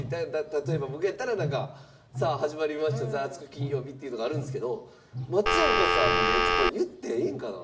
例えば僕やったらなんか「さあ始まりました『ザワつく！金曜日』」っていうのがあるんですけど松岡さんのやつこれ言ってええんかな？